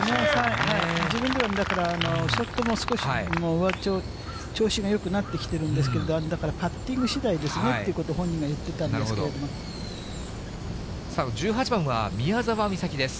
自分では、だからショットも少し、調子がよくなってきてるんですけど、パッティングしだいですかねということを本人が言ってたんですけ１８番は宮澤美咲です。